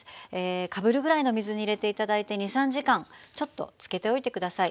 かぶるぐらいの水に入れて頂いて２３時間ちょっとつけておいて下さい。